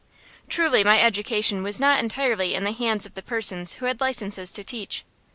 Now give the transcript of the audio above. Truly my education was not entirely in the hands of persons who had licenses to teach.